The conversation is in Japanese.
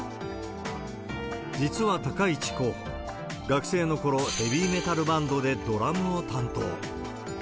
実は高市候補、学生のころ、ヘヴィメタルバンドでドラムを担当。